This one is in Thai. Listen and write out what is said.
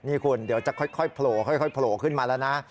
นี่คุณเดี๋ยวจะค่อยโผล่ขึ้นมาแล้วนะ